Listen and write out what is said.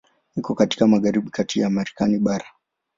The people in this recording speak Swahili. Iko katika magharibi kati ya Marekani bara.